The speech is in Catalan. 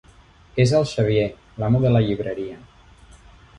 És el Xavier, l'amo de la llibreria.